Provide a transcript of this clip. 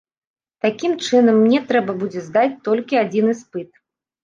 Такім чынам мне трэба будзе здаць толькі адзін іспыт.